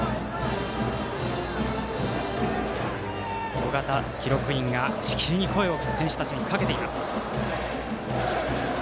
緒方記録員がしきりに声を選手たちにかけています。